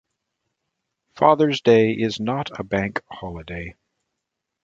Father's Day is not a bank holiday.